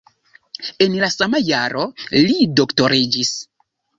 En la sama jaro li doktoriĝis.